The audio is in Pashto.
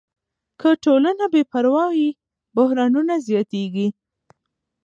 که ټولنه بې پروا وي، بحرانونه زیاتېږي.